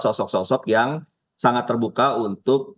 sosok sosok yang sangat terbuka untuk